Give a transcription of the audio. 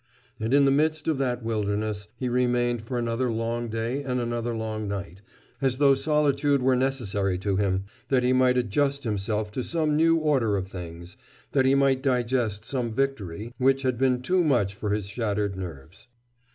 And in the midst of that wilderness he remained for another long day and another long night, as though solitude were necessary to him, that he might adjust himself to some new order of things, that he might digest some victory which had been too much for his shattered nerves.